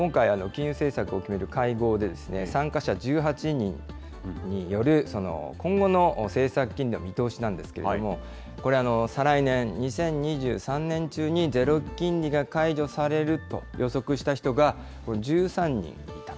今回、金融政策を決める会合で、参加者１８人による今後の政策金利の見通しなんですけれども、これ、再来年・２０２３年中にゼロ金利が解除されると予測した人が１３人いたと。